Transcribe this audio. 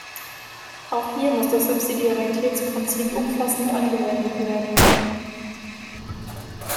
Auch hier muss das Subsidiaritätsprinzip umfassend angewendet werden.